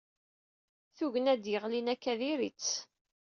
Tugna d-yeɣlin akka d-iri-tt.